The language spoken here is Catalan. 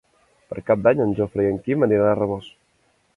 Per Cap d'Any en Jofre i en Quim aniran a Rabós.